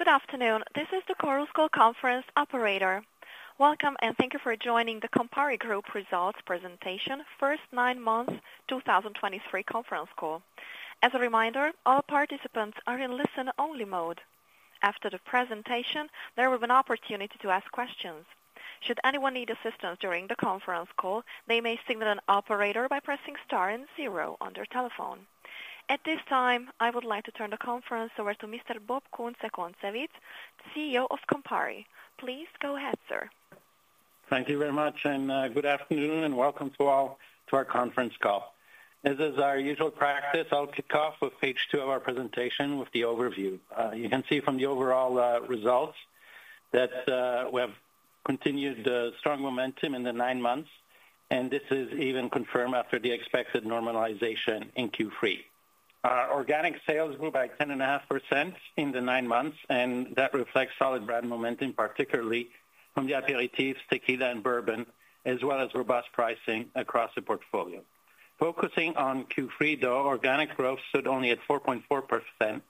Good afternoon. This is the Chorus Call Conference operator. Welcome, and thank you for joining the Campari Group Results Presentation, first nine months, 2023 conference call. As a reminder, all participants are in listen-only mode. After the presentation, there will be an opportunity to ask questions. Should anyone need assistance during the conference call, they may signal an operator by pressing star and zero on their telephone. At this time, I would like to turn the conference over to Mr. Bob Kunze-Concewitz, CEO of Campari. Please go ahead, sir. Thank you very much, and good afternoon, and welcome to all to our conference call. As is our usual practice, I'll kick off with page 2 of our presentation with the overview. You can see from the overall results that we have continued the strong momentum in the nine months, and this is even confirmed after the expected normalization in Q3. Our organic sales grew by 10.5% in the nine months, and that reflects solid brand momentum, particularly from the aperitifs, tequila, and bourbon, as well as robust pricing across the portfolio. Focusing on Q3, though, organic growth stood only at 4.4%,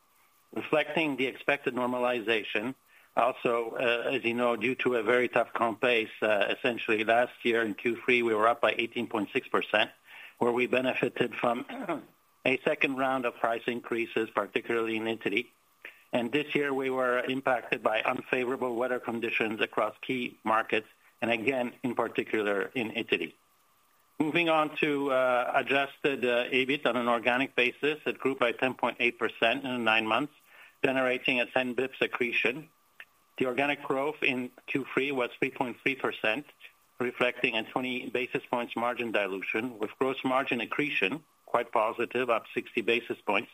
reflecting the expected normalization. Also, as you know, due to a very tough comp base, essentially last year in Q3, we were up by 18.6%, where we benefited from a second round of price increases, particularly in Italy. This year we were impacted by unfavorable weather conditions across key markets, and again, in particular, in Italy. Moving on to Adjusted EBIT on an organic basis, it grew by 10.8% in the nine months, generating a 10 BPS accretion. The organic growth in Q3 was 3.3%, reflecting a 20 basis points margin dilution, with gross margin accretion quite positive, up 60 basis points,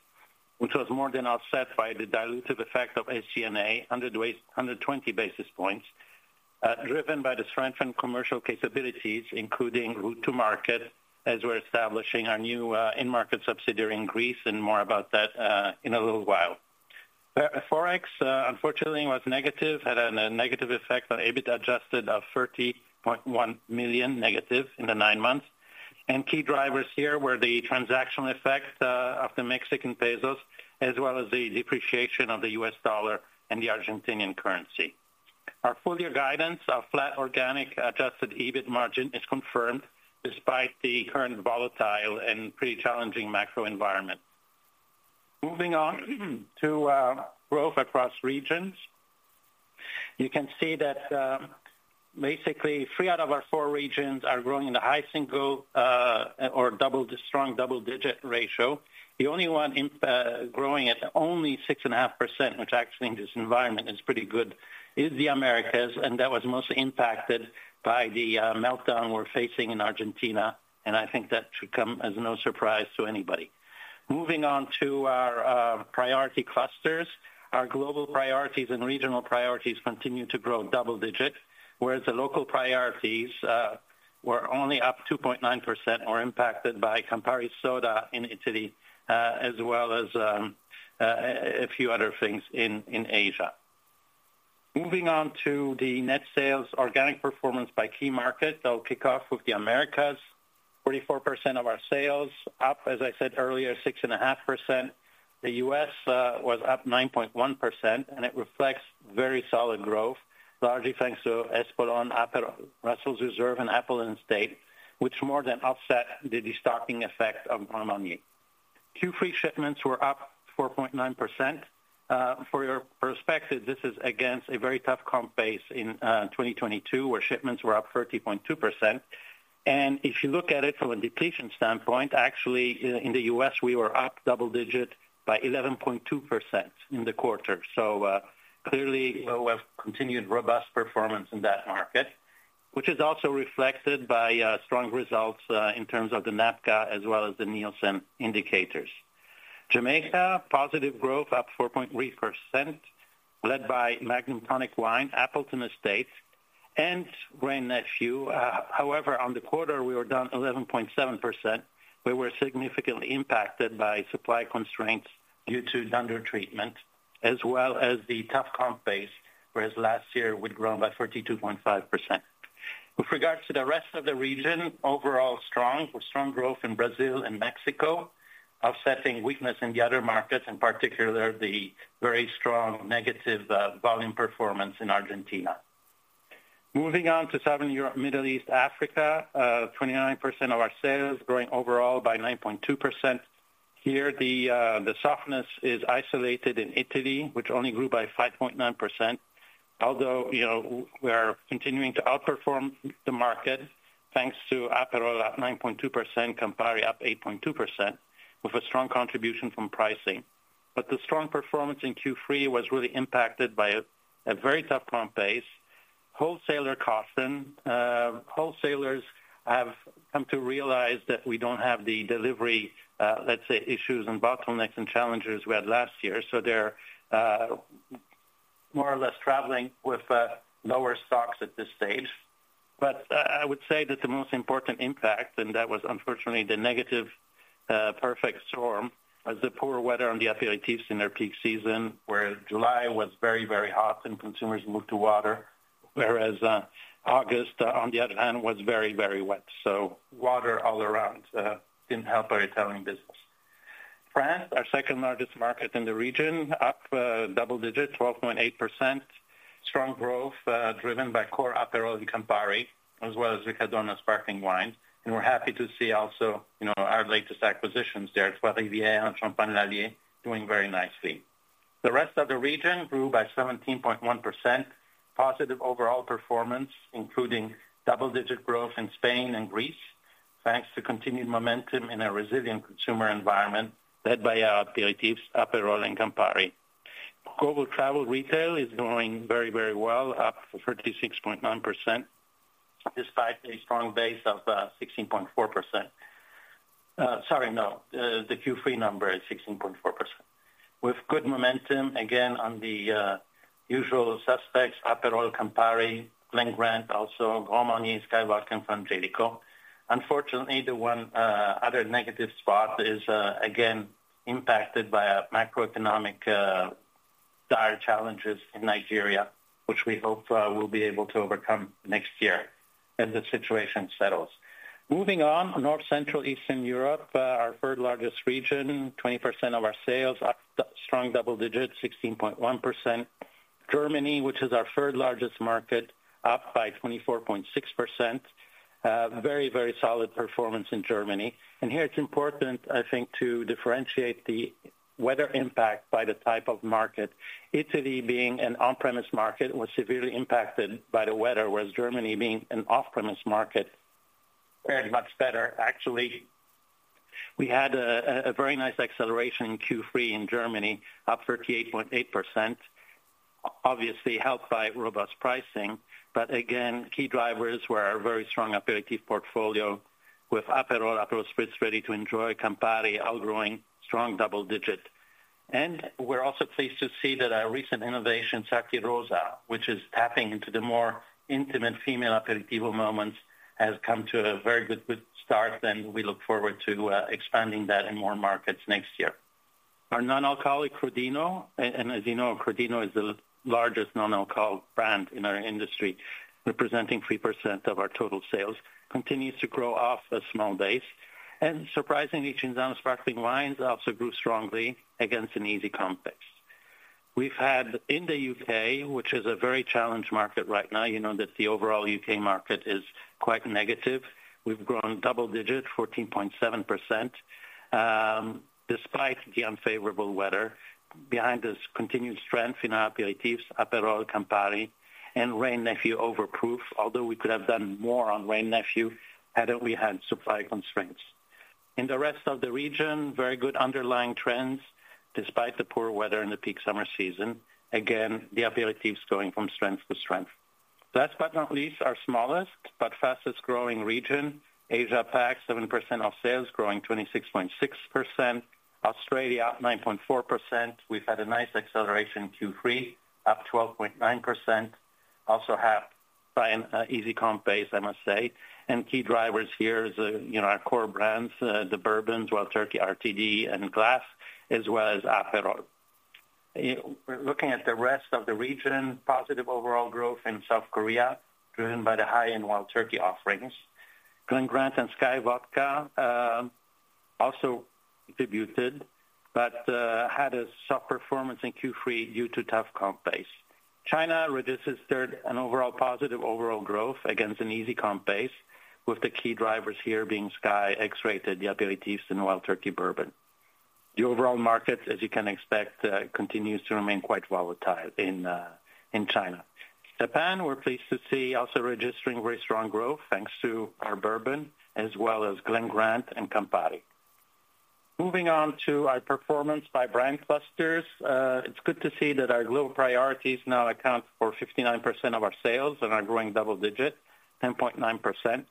which was more than offset by the dilutive effect of SG&A, 120 basis points, driven by the strengthened commercial capabilities, including route to market, as we're establishing our new, in-market subsidiary in Greece, and more about that, in a little while. Forex, unfortunately, was negative, had a negative effect on EBIT adjusted of -30.1 million in the nine months. Key drivers here were the transactional effects, of the Mexican pesos, as well as the depreciation of the US dollar and the Argentinian currency. Our full year guidance, our flat organic Adjusted EBIT margin is confirmed despite the current volatile and pretty challenging macro environment. Moving on to growth across regions. You can see that, basically, three out of our four regions are growing in the high single or strong double-digit ratio. The only one growing at only 6.5%, which actually in this environment is pretty good, is the Americas, and that was mostly impacted by the meltdown we're facing in Argentina, and I think that should come as no surprise to anybody. Moving on to our priority clusters. Our global priorities and regional priorities continue to grow double digits, whereas the local priorities were only up 2.9% impacted by Campari Soda in Italy, as well as a few other things in Asia. Moving on to the net sales organic performance by key market, I'll kick off with the Americas. 44% of our sales, up, as I said earlier, 6.5%. The US was up 9.1%, and it reflects very solid growth, largely thanks to Espolòn, Aperol, Russell's Reserve and Appleton Estate, which more than offset the destocking effect of Grand Marnier. Q3 shipments were up 4.9%. For your perspective, this is against a very tough comp base in 2022, where shipments were up 30.2%. And if you look at it from a depletion standpoint, actually, in the US, we were up double digit by 11.2% in the quarter. So, clearly, we've continued robust performance in that market, which is also reflected by strong results in terms of the NABCA as well as the Nielsen indicators. Jamaica, positive growth up 4.3%, led by Magnum Tonic Wine, Appleton Estate, and Wray & Nephew. However, on the quarter, we were down 11.7%. We were significantly impacted by supply constraints due to dunder treatment, as well as the tough comp base, whereas last year we'd grown by 32.5%. With regards to the rest of the region, overall strong, with strong growth in Brazil and Mexico, offsetting weakness in the other markets, in particular, the very strong negative volume performance in Argentina. Moving on to Southern Europe, Middle East, Africa, 29% of our sales growing overall by 9.2%. Here, the softness is isolated in Italy, which only grew by 5.9%. Although, you know, we are continuing to outperform the market, thanks to Aperol at 9.2%, Campari up 8.2%, with a strong contribution from pricing. But the strong performance in Q3 was really impacted by a very tough comp base. Wholesaler costs and wholesalers have come to realize that we don't have the delivery issues and bottlenecks and challenges we had last year, so they're more or less traveling with lower stocks at this stage. But I would say that the most important impact, and that was unfortunately the negative perfect storm, was the poor weather on the aperitifs in their peak season, where July was very, very hot and consumers moved to water, whereas August, on the other hand, was very, very wet. So water all around didn't help our retailing business. France, our second largest market in the region, up double digits, 12.8%. Strong growth driven by core Aperol and Campari, as well as the Codorníu Sparkling Wine. And we're happy to see also, you know, our latest acquisitions there, Trois Rivières and Champagne Lallier, doing very nicely. The rest of the region grew by 17.1%. Positive overall performance, including double-digit growth in Spain and Greece, thanks to continued momentum in a resilient consumer environment led by our aperitifs, Aperol and Campari. Global travel retail is going very, very well, up 36.9%, despite a strong base of 16.4%. Sorry, no, the Q3 number is 16.4%. With good momentum, again, on the usual suspects, Aperol, Campari, Glen Grant, also Grand Marnier, SKYY Vodka, and Frangelico. Unfortunately, the one other negative spot is again impacted by a macroeconomic dire challenges in Nigeria, which we hope we'll be able to overcome next year as the situation settles. Moving on, North, Central, Eastern Europe, our third largest region, 20% of our sales, are strong double digits, 16.1%. Germany, which is our third largest market, up by 24.6%. Very, very solid performance in Germany. And here, it's important, I think, to differentiate the weather impact by the type of market. Italy, being an on-premise market, was severely impacted by the weather, whereas Germany, being an off-premise market, fared much better. Actually, we had a very nice acceleration in Q3 in Germany, up 38.8%, obviously helped by robust pricing. But again, key drivers were our very strong aperitif portfolio with Aperol, Aperol Spritz, ready to enjoy Campari, outgrowing strong double digits. And we're also pleased to see that our recent innovation, Sarti Rosa, which is tapping into the more intimate female aperitivo moments, has come to a very good, good start, and we look forward to expanding that in more markets next year. Our non-alcoholic Crodino, and as you know, Crodino is the largest non-alcohol brand in our industry, representing 3% of our total sales, continues to grow off a small base. And surprisingly, Cinzano Sparkling Wines also grew strongly against an easy comp. We've had in the UK, which is a very challenged market right now, you know that the overall UK market is quite negative. We've grown double digits, 14.7%, despite the unfavorable weather. Behind this continued strength in our aperitifs, Aperol, Campari and Wray & Nephew Overproof, although we could have done more on Wray & Nephew had we had supply constraints. In the rest of the region, very good underlying trends, despite the poor weather in the peak summer season. Again, the aperitifs going from strength to strength. Last but not least, our smallest but fastest growing region, Asia Pac, 7% of sales growing 26.6%. Australia, up 9.4%. We've had a nice acceleration Q3, up 12.9%. Also have by an easy comp base, I must say. And key drivers here is, you know, our core brands, the bourbons, Wild Turkey, RTD and glass, as well as Aperol. We're looking at the rest of the region. Positive overall growth in South Korea, driven by the high-end Wild Turkey offerings. Glen Grant and SKYY Vodka also contributed, but had a soft performance in Q3 due to tough comp base. China registered an overall positive overall growth against an easy comp base, with the key drivers here being SKYY X-Rated, the aperitifs in Wild Turkey bourbon. The overall market, as you can expect, continues to remain quite volatile in China. Japan, we're pleased to see, also registering very strong growth, thanks to our bourbon, as well as Glen Grant and Campari. Moving on to our performance by brand clusters, it's good to see that our global priorities now account for 59% of our sales and are growing double digits, 10.9%.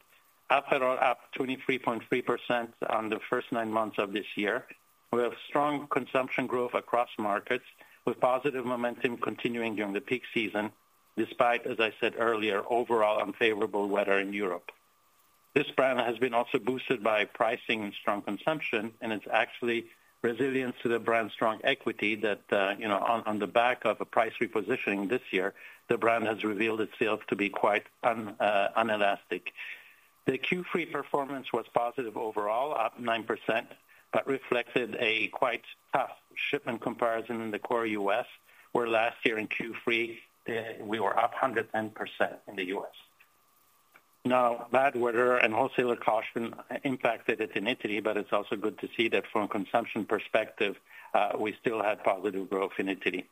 Aperol up 23.3% on the first nine months of this year. We have strong consumption growth across markets, with positive momentum continuing during the peak season, despite, as I said earlier, overall unfavorable weather in Europe. This brand has been also boosted by pricing and strong consumption, and it's actually resilient to the brand's strong equity that, you know, on, on the back of a price repositioning this year, the brand has revealed itself to be quite inelastic. The Q3 performance was positive overall, up 9%, but reflected a quite tough shipment comparison in the core U.S., where last year in Q3, we were up 110% in the U.S. Now, bad weather and wholesaler caution impacted it in Italy, but it's also good to see that from a consumption perspective, we still had positive growth in Italy.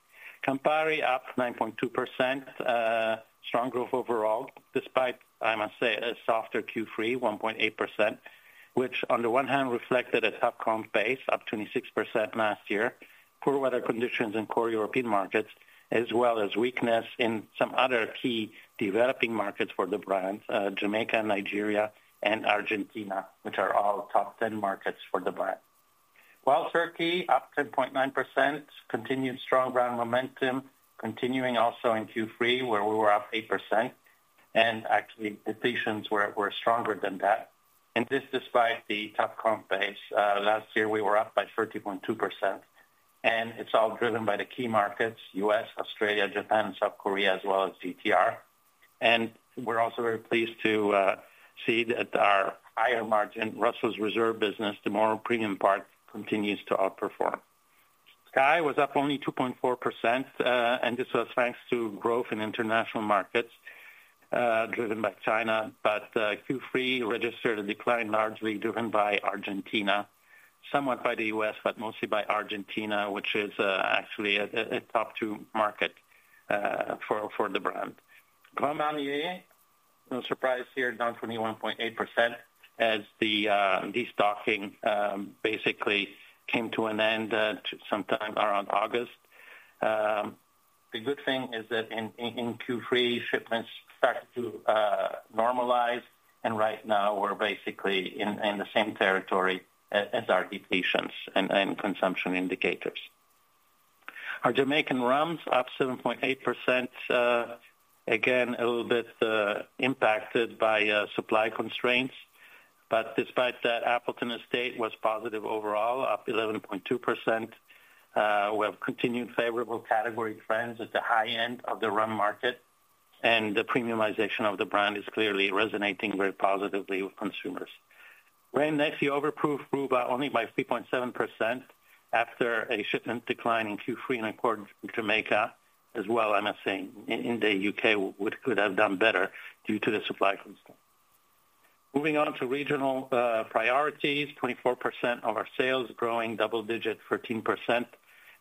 Campari up 9.2%, strong growth overall, despite, I must say, a softer Q3, 1.8%, which on the one hand, reflected a tough comp base, up 26% last year, poor weather conditions in core European markets, as well as weakness in some other key developing markets for the brands, Jamaica, Nigeria, and Argentina, which are all top ten markets for the brand. Wild Turkey, up 10.9%, continued strong brand momentum, continuing also in Q3, where we were up 8%, and actually the depletions were, were stronger than that. And this, despite the tough comp base, last year, we were up by 30.2%, and it's all driven by the key markets, US, Australia, Japan, and South Korea, as well as GTR. We're also very pleased to see that our higher margin Russell's Reserve business, the more premium part, continues to outperform. SKYY was up only 2.4%, and this was thanks to growth in international markets, driven by China. But Q3 registered a decline largely driven by Argentina, somewhat by the US, but mostly by Argentina, which is actually a top two market for the brand. Grand Marnier, no surprise here, down 21.8% as the destocking basically came to an end sometime around August. The good thing is that in Q3, shipments started to normalize, and right now we're basically in the same territory as our depletions and consumption indicators. Our Jamaican rums up 7.8%, again, a little bit, impacted by supply constraints. But despite that, Appleton Estate was positive overall, up 11.2%. We have continued favorable category trends at the high end of the rum market, and the premiumization of the brand is clearly resonating very positively with consumers. Wray & Nephew Overproof grew by only by 3.7% after a shipment decline in Q3 in accordance with Jamaica as well, I must say, in the UK, could have done better due to the supply constraint. Moving on to regional priorities, 24% of our sales growing double digit, 13%.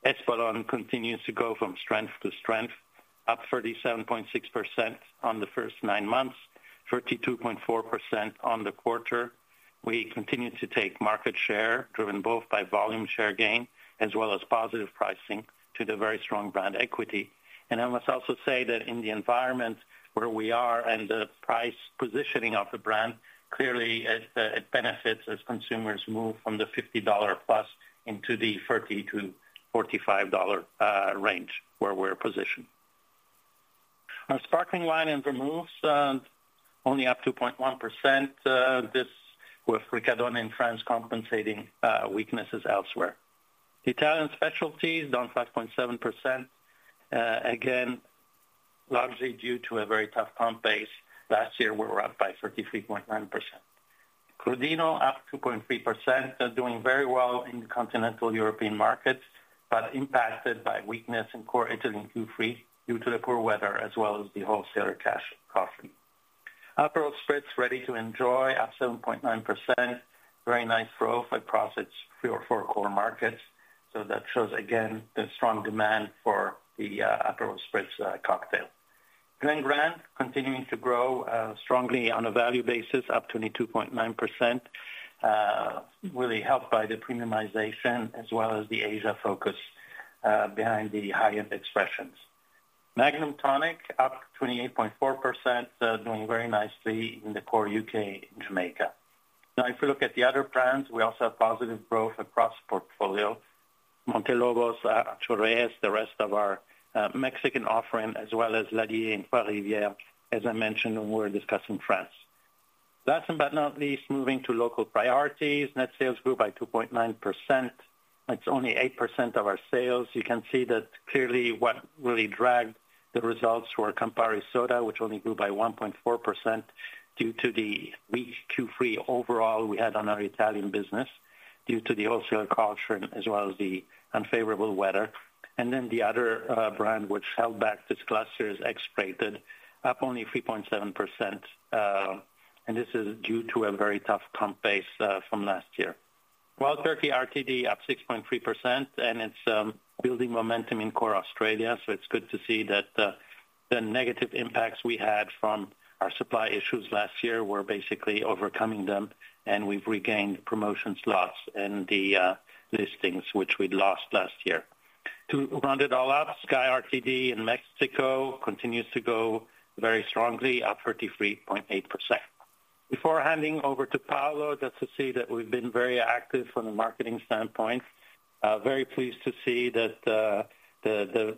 Espolòn continues to go from strength to strength, up 37.6% on the first nine months, 32.4% on the quarter. We continue to take market share, driven both by volume share gain as well as positive pricing to the very strong brand equity. I must also say that in the environment where we are and the price positioning of the brand, clearly it benefits as consumers move from the $50+ into the $30-$45 range where we're positioned. Our Sparkling Wine and Vermouth only up 2.1%, this with Riccadonna in France compensating weaknesses elsewhere. Italian specialties down 5.7%, again, largely due to a very tough comp base. Last year, we were up by 33.9%. Crodino up 2.3%, doing very well in continental European markets, but impacted by weakness in core Italian Q3 due to the poor weather, as well as the wholesaler cautiousness. Aperol Spritz Ready to Enjoy at 7.9%. Very nice growth across its three or four core markets. So that shows, again, the strong demand for the Aperol Spritz cocktail. Glen Grant continuing to grow strongly on a value basis, up 22.9%, really helped by the premiumization as well as the Asia focus behind the high-end expressions. Magnum Tonic up 28.4%, doing very nicely in the core UK and Jamaica. Now, if you look at the other brands, we also have positive growth across the portfolio. Montelobos, Torres, the rest of our Mexican offering, as well as Lallier and Trois Rivières, as I mentioned when we were discussing France. Last but not least, moving to local priorities. Net sales grew by 2.9%. It's only 8% of our sales. You can see that clearly what really dragged the results were Campari Soda, which only grew by 1.4% due to the weak Q3 overall we had on our Italian business, due to the wholesale caution as well as the unfavorable weather. And then the other brand which held back this cluster is X-Rated, up only 3.7%, and this is due to a very tough comp base from last year. Wild Turkey RTD up 6.3%, and it's building momentum in core Australia. So it's good to see that the negative impacts we had from our supply issues last year, we're basically overcoming them, and we've regained promotions loss and the listings which we'd lost last year. To round it all out, SKYY RTD in Mexico continues to go very strongly, up 33.8%. Before handing over to Paolo, just to say that we've been very active from a marketing standpoint. Very pleased to see that the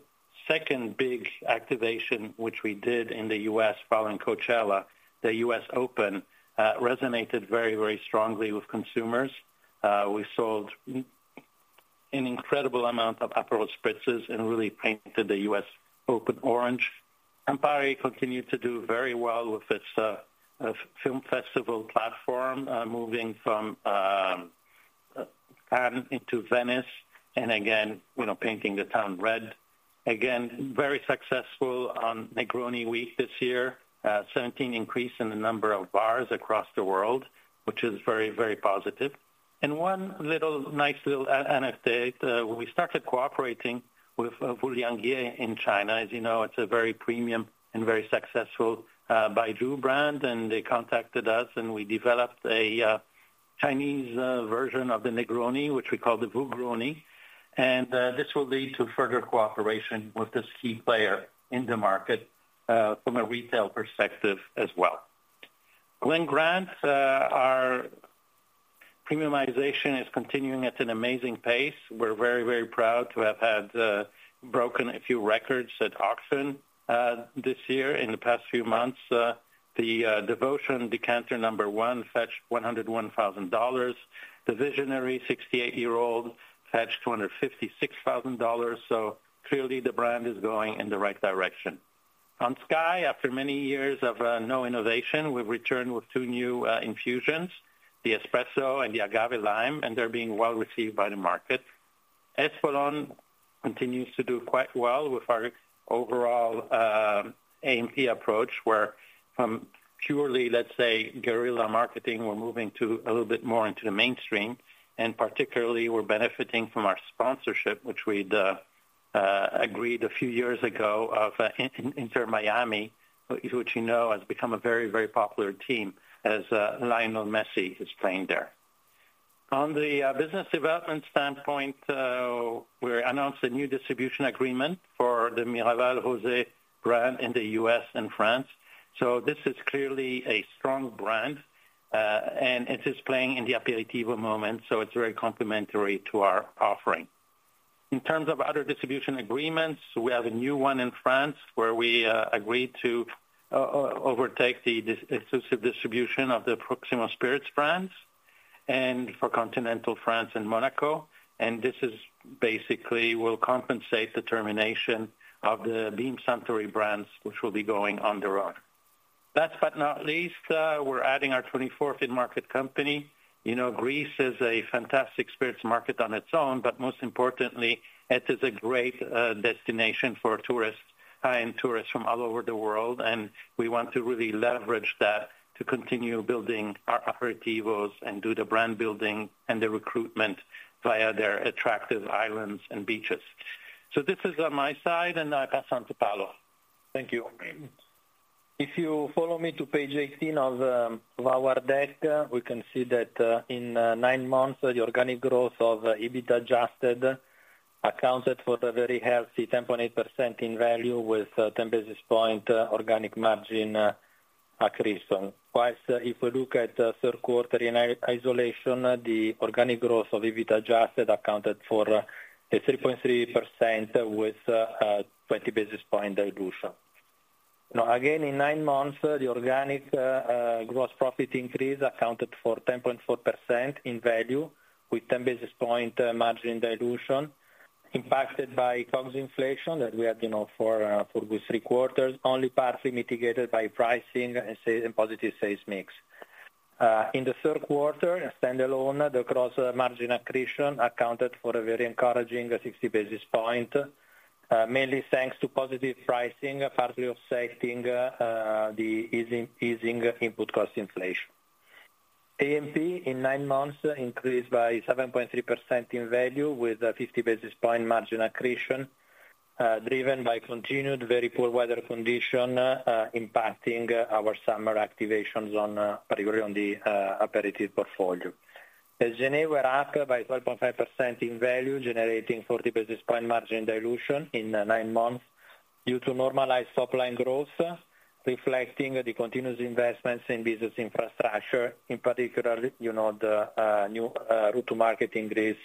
second big activation, which we did in the U.S. following Coachella, the U.S. Open, resonated very, very strongly with consumers. We sold an incredible amount of Aperol Spritzes and really painted the U.S. Open orange. Campari continued to do very well with its film festival platform, moving from Cannes into Venice, and again, you know, painting the town red. Again, very successful on Negroni Week this year. 17 increase in the number of bars across the world, which is very, very positive. And one little, nice little anecdote, we started cooperating with Wuliangye in China. As you know, it's a very premium and very successful Baijiu brand, and they contacted us, and we developed a Chinese version of the Negroni, which we call the Wugroni. This will lead to further cooperation with this key player in the market from a retail perspective as well. Glen Grant, our premiumization is continuing at an amazing pace. We're very, very proud to have broken a few records at auction this year, in the past few months. The Devotion Decanter No. 1 fetched $101,000. The Visionary 68-year-old fetched $256,000. So clearly the brand is going in the right direction. On SKYY, after many years of no innovation, we've returned with two new infusions, the Espresso and the Agave Lime, and they're being well received by the market. Espolòn continues to do quite well with our overall A&P approach, where from purely, let's say, guerrilla marketing, we're moving to a little bit more into the mainstream, and particularly we're benefiting from our sponsorship, which we'd agreed a few years ago of Inter Miami, which, you know, has become a very, very popular team as Lionel Messi is playing there. On the business development standpoint, we announced a new distribution agreement for the Miraval Rosé brand in the US and France. So this is clearly a strong brand, and it is playing in the aperitivo moment, so it's very complementary to our offering. In terms of other distribution agreements, we have a new one in France, where we agreed to overtake the exclusive distribution of the Proximo Spirits brands, and for continental France and Monaco, and this basically will compensate the termination of the Beam Suntory brands, which will be going on the run. Last but not least, we're adding our 24th in-market company. You know, Greece is a fantastic spirits market on its own, but most importantly, it is a great destination for tourists, and tourists from all over the world, and we want to really leverage that to continue building our aperitivos and do the brand building and the recruitment via their attractive islands and beaches. So this is my side, and I pass on to Paolo. Thank you. If you follow me to page 18 of our deck, we can see that in nine months, the organic growth of EBIT adjusted accounted for a very healthy 10.8% in value, with 10 basis points organic margin accretion. While if we look at third quarter in isolation, the organic growth of EBIT adjusted accounted for a 3.3% with 20 basis points dilution. Now, again, in nine months, the organic gross profit increase accounted for 10.4% in value, with 10 basis points margin dilution, impacted by COGS inflation that we had, you know, for good 3 quarters, only partly mitigated by pricing and positive sales mix. In the third quarter, standalone, the gross margin accretion accounted for a very encouraging 60 basis points, mainly thanks to positive pricing, partly offsetting the easing input cost inflation. A&P, in nine months, increased by 7.3% in value, with a 50 basis points margin accretion, driven by continued very poor weather condition, impacting our summer activations, particularly on the aperitivo portfolio. As G&A were up by 12.5% in value, generating 40 basis points margin dilution in nine months due to normalized top line growth, reflecting the continuous investments in business infrastructure, in particular, you know, the new route to market increase,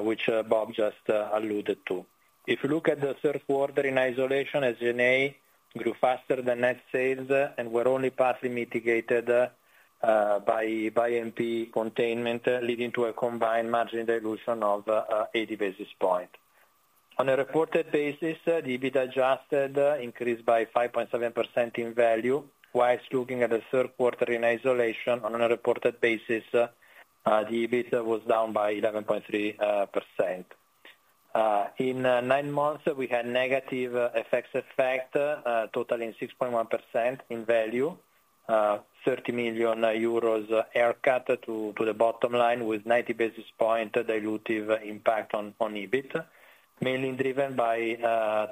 which Bob just alluded to. If you look at the third quarter in isolation, as G&A grew faster than net sales and were only partly mitigated by A&P containment, leading to a combined margin dilution of 80 basis points. On a reported basis, the Adjusted EBIT increased by 5.7% in value, while looking at the third quarter in isolation, on a reported basis, the EBIT was down by 11.3%. In nine months, we had negative FX effect totaling 6.1% in value, 30 million euros haircut to the bottom line, with 90 basis points dilutive impact on EBIT, mainly driven by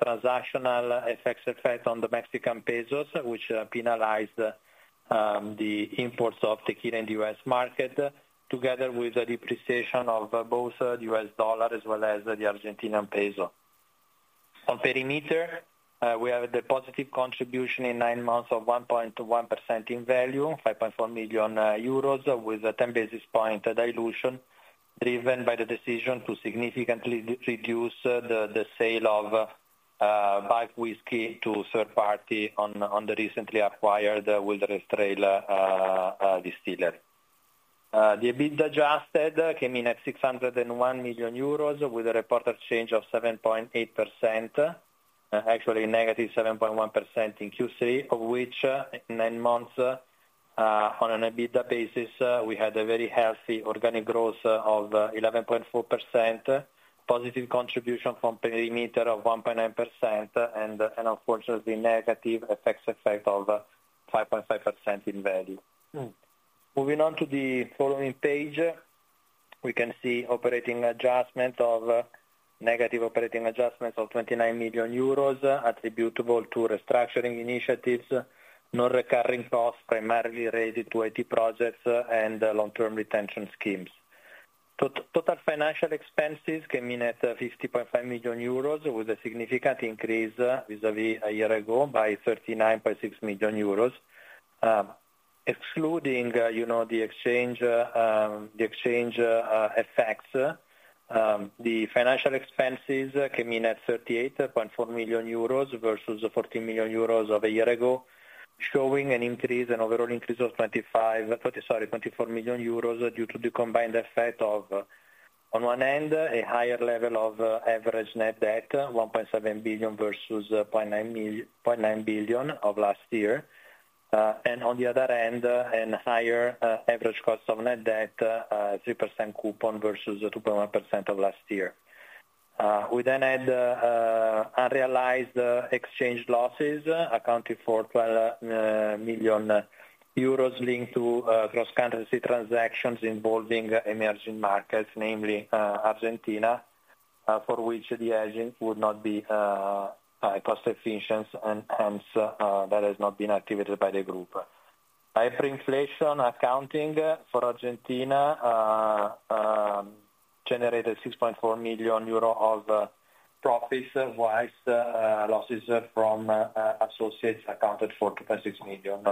transactional FX effect on the Mexican pesos, which penalized the imports of tequila in the U.S. market, together with the depreciation of both the U.S. dollar as well as the Argentine peso. On perimeter, we have the positive contribution in nine months of 1.1% in value, 5.4 million euros with a 10 basis point dilution, driven by the decision to significantly reduce the sale of bulk whiskey to third party on the recently acquired Wilderness Trail Distillery. The EBIT adjusted came in at 601 million euros, with a reported change of 7.8%. Actually, negative 7.1% in Q3, of which nine months on an EBITDA basis we had a very healthy organic growth of 11.4%, positive contribution from perimeter of 1.9%, and unfortunately, negative FX effect of 5.5% in value. Moving on to the following page, we can see operating adjustment of. Negative operating adjustments of 29 million euros, attributable to restructuring initiatives, non-recurring costs, primarily related to IT projects, and long-term retention schemes. Total financial expenses came in at 50.5 million euros, with a significant increase vis-à-vis a year ago by 39.6 million euros, excluding, you know, the exchange effects, the financial expenses came in at 38.4 million euros versus 14 million euros of a year ago, showing an increase, an overall increase of 25 million, 30, sorry, 24 million euros due to the combined effect of, on one end, a higher level of average net debt, 1.7 billion versus 0.9 billion of last year. And on the other end, higher average cost of net debt, 3% coupon versus 2.1% of last year. We then add unrealized exchange losses, accounted for 12 million euros linked to cross-currency transactions involving emerging markets, namely, Argentina, for which the agent would not be cost efficient, and hence, that has not been activated by the group. Hyperinflation accounting for Argentina generated EUR 6.4 million of profits, while losses from associates accounted for 2.6 million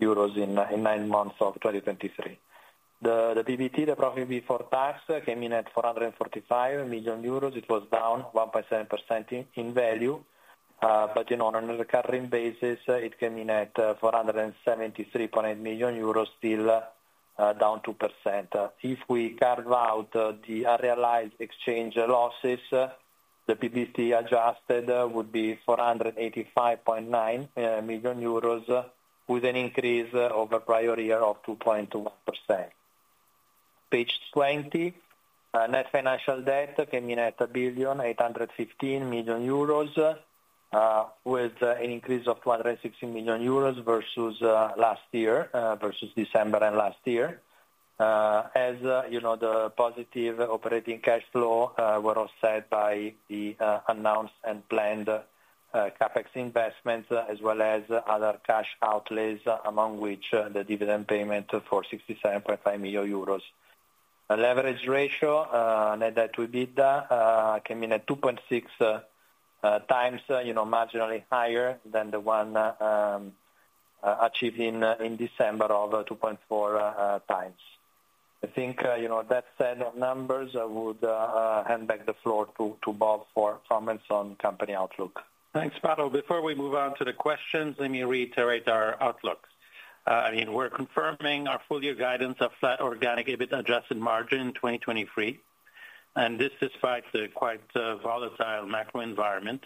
euros in nine months of 2023. The PBT, the profit before tax, came in at 445 million euros. It was down 1.7% in value, but you know, on a recurring basis, it came in at 473.8 million euros, still down 2%. If we carve out the unrealized exchange losses, the PBT adjusted would be 485.9 million euros, with an increase over prior year of 2.1%. Page 20, net financial debt came in at 1,815 million euros, with an increase of 216 million euros versus last year, versus December and last year. As you know, the positive operating cash flow were offset by the announced and planned CapEx investments, as well as other cash outlays, among which the dividend payment for 67.5 million euros. A leverage ratio, net debt to EBITDA, came in at 2.6x, you know, marginally higher than the one achieved in December of 2.4x. I think, you know, that set of numbers, I would hand back the floor to Bob for comments on company outlook. Thanks, Paolo. Before we move on to the questions, let me reiterate our outlooks. I mean, we're confirming our full year guidance of flat organic EBIT adjusted margin in 2023, and this despite the quite volatile macro environment.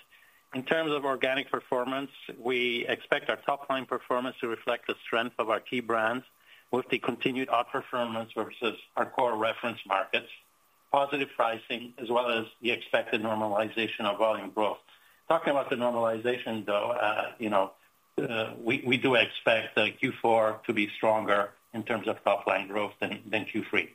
In terms of organic performance, we expect our top line performance to reflect the strength of our key brands with the continued outperformance versus our core reference markets, positive pricing, as well as the expected normalization of volume growth. Talking about the normalization, though, you know, we do expect Q4 to be stronger in terms of top line growth than Q3.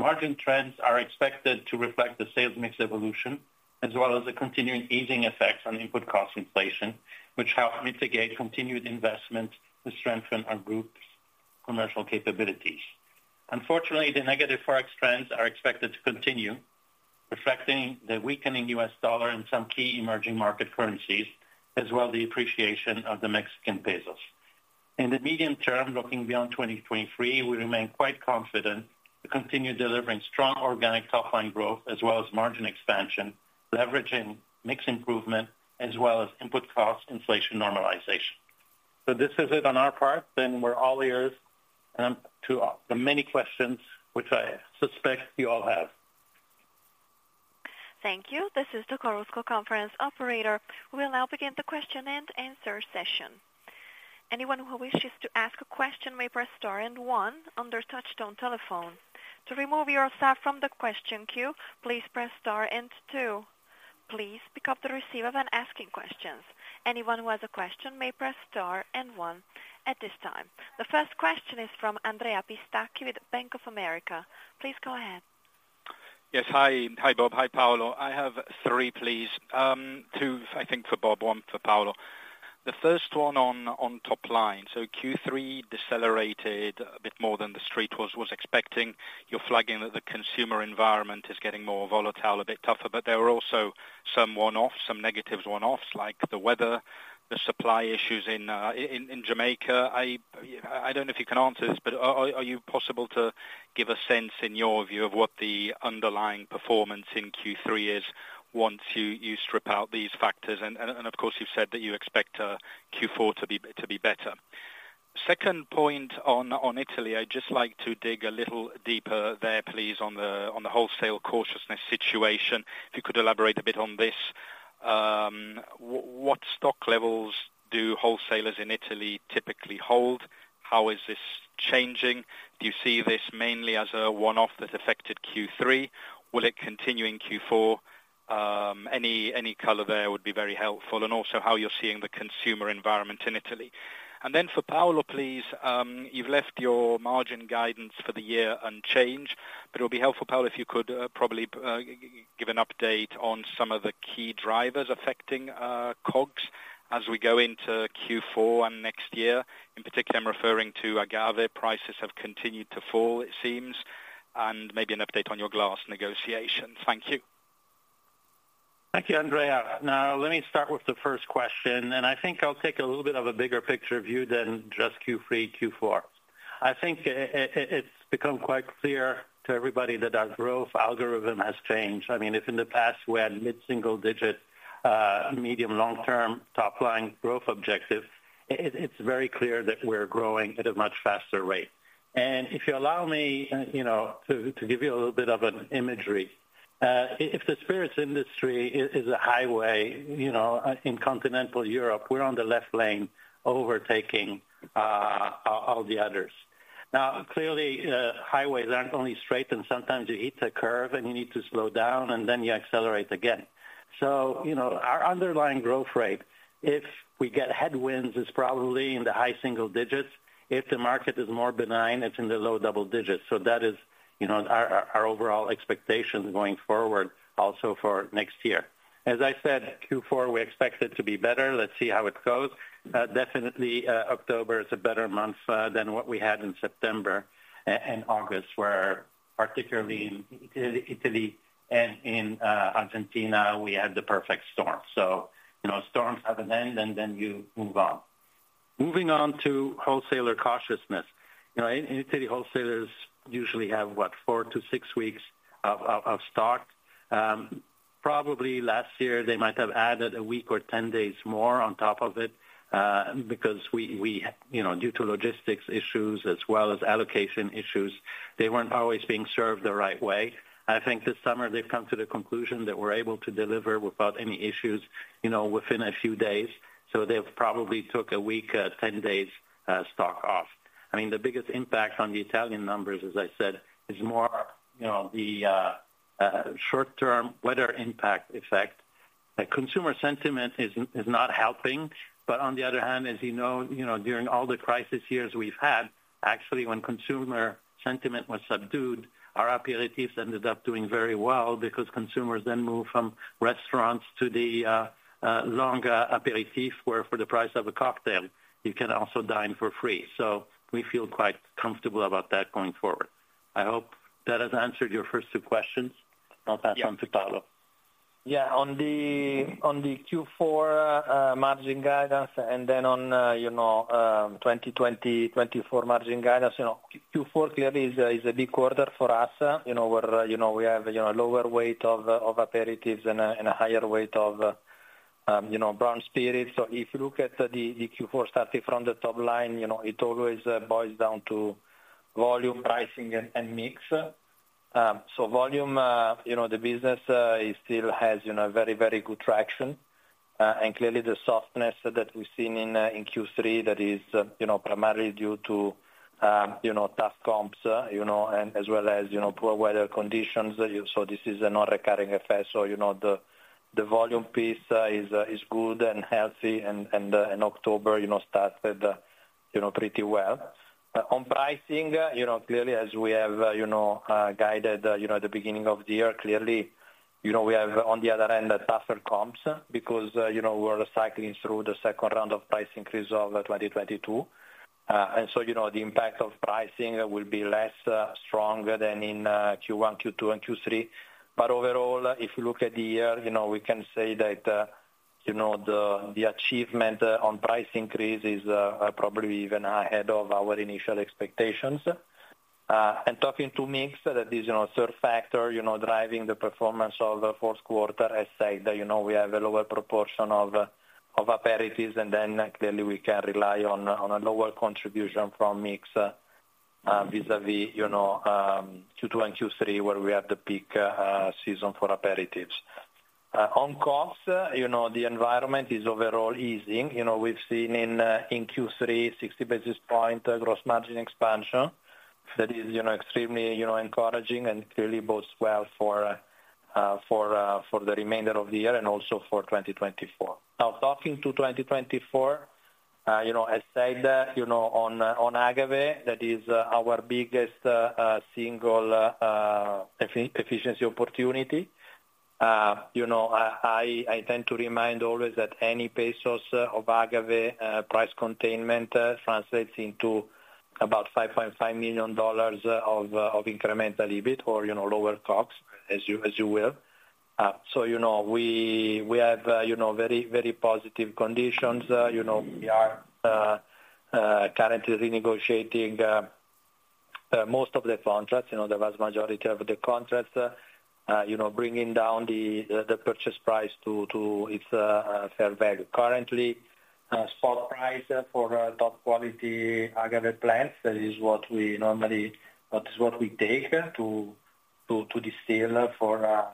Margin trends are expected to reflect the sales mix evolution, as well as the continuing easing effects on input cost inflation, which help mitigate continued investment to strengthen our group's commercial capabilities. Unfortunately, the negative Forex trends are expected to continue, reflecting the weakening US dollar in some key emerging market currencies, as well the appreciation of the Mexican pesos. In the medium term, looking beyond 2023, we remain quite confident to continue delivering strong organic top line growth, as well as margin expansion, leveraging mix improvement, as well as input cost inflation normalization. So this is it on our part, then we're all ears to the many questions which I suspect you all have. Thank you. This is the Chorus Call conference operator. We'll now begin the question and answer session. Anyone who wishes to ask a question may press star and one on their touchtone telephone. To remove yourself from the question queue, please press star and two. Please pick up the receiver when asking questions. Anyone who has a question may press star and one at this time. The first question is from Andrea Pistacchi with Bank of America. Please go ahead. Yes, hi. Hi, Bob. Hi, Paolo. I have 3, please, 2, I think for Bob, 1 for Paolo. The first one on top line. So Q3 decelerated a bit more than the Street was expecting. You're flagging that the consumer environment is getting more volatile, a bit tougher, but there were also some one-offs, some negative one-offs, like the weather, the supply issues in Jamaica. I don't know if you can answer this, but are you possible to give a sense in your view of what the underlying performance in Q3 is once you strip out these factors? And of course, you've said that you expect Q4 to be better. Second point on Italy. I'd just like to dig a little deeper there, please, on the wholesale cautiousness situation. If you could elaborate a bit on this. What stock levels do wholesalers in Italy typically hold? How is this changing? Do you see this mainly as a one-off that affected Q3? Will it continue in Q4? Any color there would be very helpful, and also how you're seeing the consumer environment in Italy. And then for Paolo, please, you've left your margin guidance for the year unchanged, but it would be helpful, Paolo, if you could probably give an update on some of the key drivers affecting COGS as we go into Q4 and next year. In particular, I'm referring to agave prices; they have continued to fall, it seems, and maybe an update on your glass negotiations. Thank you. Thank you, Andrea. Now, let me start with the first question, and I think I'll take a little bit of a bigger picture view than just Q3, Q4. I think it's become quite clear to everybody that our growth algorithm has changed. I mean, if in the past we had mid-single digit, medium, long-term top line growth objective, it's very clear that we're growing at a much faster rate. And if you allow me, you know, to give you a little bit of an imagery, if the spirits industry is a highway, you know, in continental Europe, we're on the left lane overtaking all the others. Now, clearly, highways aren't only straight, and sometimes you hit a curve, and you need to slow down, and then you accelerate again. So, you know, our underlying growth rate, if we get headwinds, is probably in the high single digits. If the market is more benign, it's in the low double digits. So that is, you know, our overall expectations going forward, also for next year. As I said, Q4, we expect it to be better. Let's see how it goes. Definitely, October is a better month than what we had in September and August, where particularly in Italy and in Argentina, we had the perfect storm. So, you know, storms have an end, and then you move on. Moving on to wholesaler cautiousness. You know, Italy wholesalers usually have, what, four-six weeks of stock. Probably last year, they might have added a week or 10 days more on top of it, because we, you know, due to logistics issues as well as allocation issues, they weren't always being served the right way. I think this summer, they've come to the conclusion that we're able to deliver without any issues, you know, within a few days, so they've probably took a week, 10 days stock off. I mean, the biggest impact on the Italian numbers, as I said, is more, you know, the short term weather impact effect. The consumer sentiment is not helping, but on the other hand, as you know, you know, during all the crisis years we've had, actually, when consumer sentiment was subdued, our aperitifs ended up doing very well because consumers then moved from restaurants to the longer aperitif, where for the price of a cocktail, you can also dine for free. So we feel quite comfortable about that going forward. I hope that has answered your first two questions. I'll pass on to Paolo. Yeah, on the Q4 margin guidance, and then on, you know, 2024 margin guidance, you know, Q4 clearly is a big quarter for us. You know, where we have lower weight of aperitifs and a higher weight of brown spirits. So if you look at the Q4, starting from the top line, you know, it always boils down to volume, pricing, and mix. So volume, you know, the business it still has very good traction. And clearly, the softness that we've seen in Q3, that is primarily due to tough comps and as well as poor weather conditions. So this is a not recurring effect, so, you know, the volume piece is good and healthy, and in October, you know, started pretty well. On pricing, you know, clearly as we have, you know, guided at the beginning of the year, clearly, you know, we have on the other end a tougher comps, because, you know, we're cycling through the second round of price increase of 2022. And so, you know, the impact of pricing will be less strong than in Q1, Q2, and Q3. But overall, if you look at the year, you know, we can say that, you know, the achievement on price increase is probably even ahead of our initial expectations. And talking to mix, that is, you know, third factor, you know, driving the performance of the fourth quarter, I said, you know, we have a lower proportion of aperitifs, and then clearly, we can rely on a lower contribution from mix vis-à-vis, you know, Q2 and Q3, where we have the peak season for aperitifs. On costs, you know, the environment is overall easing. You know, we've seen in Q3 60 basis point gross margin expansion. That is, you know, extremely, you know, encouraging and clearly bodes well for the remainder of the year and also for 2024. Now, talking to 2024, you know, I said, you know, on Agave, that is our biggest single efficiency opportunity. You know, I tend to remind always that any pesos of agave price containment translates into about $5.5 million of incremental EBIT or, you know, lower costs, as you will. So you know, we have very, very positive conditions. You know, we are currently renegotiating most of the contracts, you know, the vast majority of the contracts, you know, bringing down the purchase price to its fair value. Currently, spot price for top quality agave plants, that is what we normally. That is what we take to distill for our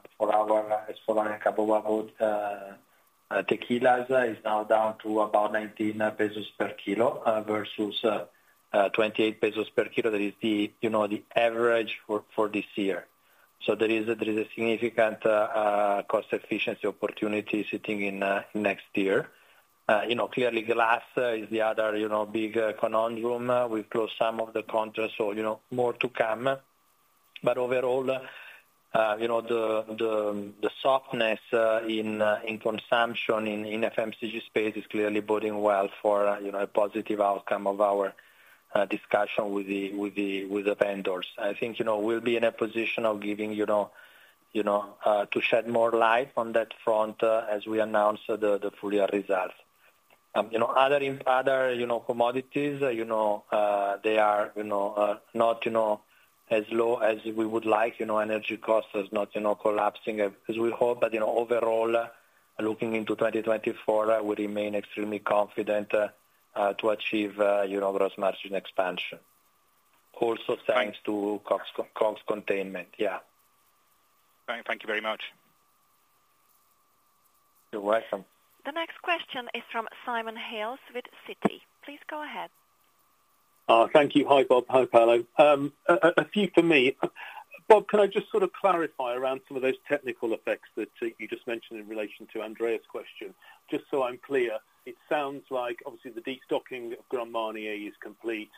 tequilas is now down to about 19 pesos /kg, versus 28 pesos /kg. That is the, you know, the average for, for this year. So there is a, there is a significant cost efficiency opportunity sitting in next year. You know, clearly glass is the other, you know, big conundrum. We've closed some of the contracts, so, you know, more to come. But overall, you know, the softness in consumption in FMCG space is clearly boding well for, you know, a positive outcome of our discussion with the vendors. I think, you know, we'll be in a position of giving, you know, you know, to shed more light on that front, as we announce the full year results. You know, other commodities, you know, they are, you know, not, you know, as low as we would like. You know, energy costs is not, you know, collapsing as we hope. But, you know, overall, looking into 2024, we remain extremely confident to achieve, you know, gross margin expansion. Also thanks to COGS, COGS containment. Yeah. Thank you very much. You're welcome. The next question is from Simon Hales with Citi. Please go ahead. Thank you. Hi, Bob. Hi, Paolo. A few for me. Bob, can I just sort of clarify around some of those technical effects that you just mentioned in relation to Andrea's question? Just so I'm clear, it sounds like obviously the destocking of Grand Marnier is complete.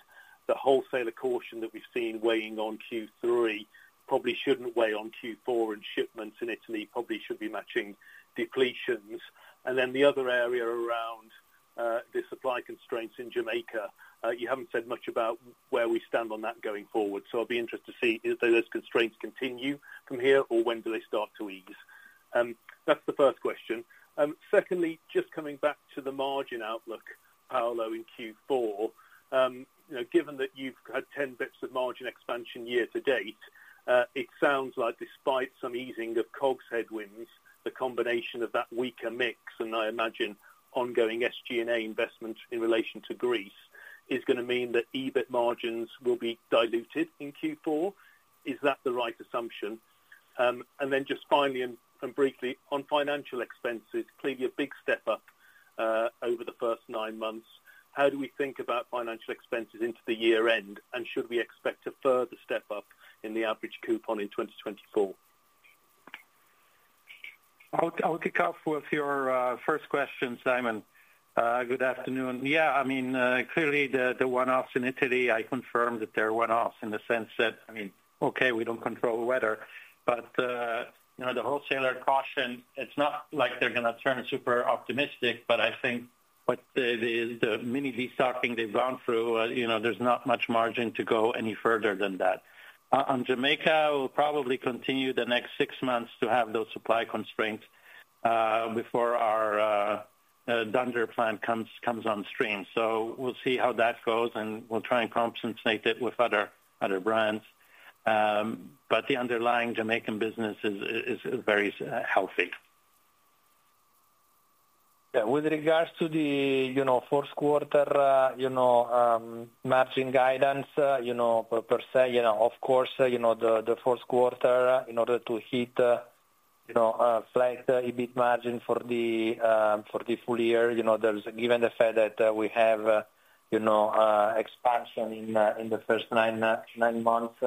The wholesaler caution that we've seen weighing on Q3 probably shouldn't weigh on Q4, and shipments in Italy probably should be matching depletions. And then the other area around the supply constraints in Jamaica, you haven't said much about where we stand on that going forward. So I'll be interested to see do those constraints continue from here, or when do they start to ease? That's the first question. Secondly, just coming back to the margin outlook, Paolo, in Q4, you know, given that you've had 10 bps of margin expansion year to date, it sounds like despite some easing of COGS headwinds, the combination of that weaker mix, and I imagine ongoing SG&A investment in relation to Greece, is gonna mean that EBIT margins will be diluted in Q4. Is that the right assumption? And then just finally and briefly, on financial expenses, clearly a big step up, over the first nine months. How do we think about financial expenses into the year end, and should we expect a further step up in the average coupon in 2024? I'll kick off with your first question, Simon. Good afternoon. Yeah, I mean, clearly the one-offs in Italy, I confirm that they're one-offs in the sense that, I mean, okay, we don't control the weather, but, you know, the wholesaler caution, it's not like they're gonna turn super optimistic. But I think what the mini destocking they've gone through, you know, there's not much margin to go any further than that. On Jamaica, we'll probably continue the next six months to have those supply constraints, before our dunder plant comes on stream. So we'll see how that goes, and we'll try and compensate it with other brands. But the underlying Jamaican business is very healthy. Yeah, with regards to the, you know, fourth quarter, you know, margin guidance, you know, per se, you know, of course, you know, the fourth quarter, in order to hit, you know, flagged EBIT margin for the, for the full year, you know, there's. Given the fact that, we have, you know, expansion in, in the first nine months,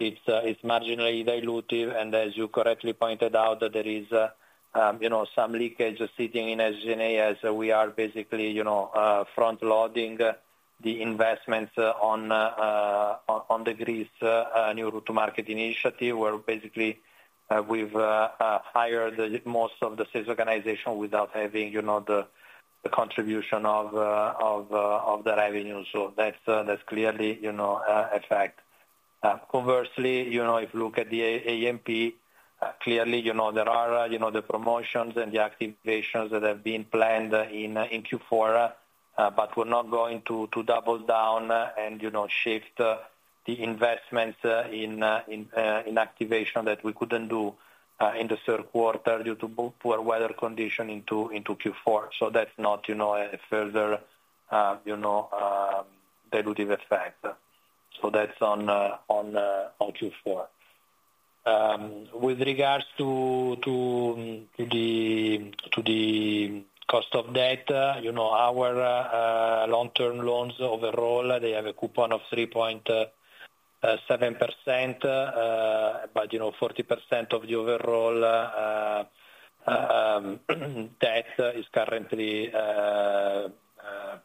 it's marginally dilutive. And as you correctly pointed out, there is, you know, some leakage sitting in SG&A as we are basically, you know, front loading the investments on, on the Greece new route to market initiative, where basically, we've hired most of the sales organization without having, you know, the contribution of the revenue. So that's, that's clearly, you know, effect. Conversely, you know, if you look at the A&P, clearly, you know, there are, you know, the promotions and the activations that have been planned in Q4, but we're not going to double down and, you know, shift the investments in activation that we couldn't do in the third quarter due to poor weather condition into Q4. So that's not, you know, any further, you know, dilutive effect. So that's on Q4. With regards to the cost of debt, you know, our long-term loans overall, they have a coupon of 3.7%, but you know, 40% of the overall debt is currently